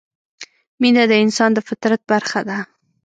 مینه د انسان د فطرت برخه ده.